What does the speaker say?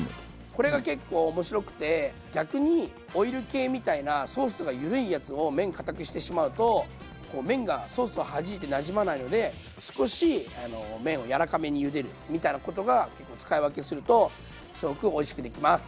これが結構面白くて逆にオイル系みたいなソースがゆるいやつを麺かたくしてしまうと麺がソースをはじいてなじまないので少し麺をやわらかめにゆでるみたいなことが結構使い分けをするとすごくおいしくできます。